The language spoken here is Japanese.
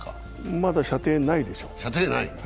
まだ射程内でしょう。